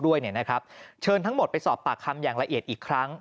ด้วยนะครับเชิญทั้งหมดไปสอบปากคำอย่างละเอียดอีกครั้ง